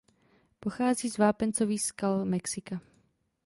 Pochází z vápencových skal Mexika.